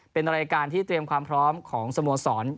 เป็นรายการที่เตรียมความพร้อมของสโมสร